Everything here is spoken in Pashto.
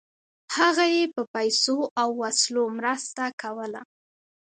هغه یې په پیسو او وسلو مرسته کوله.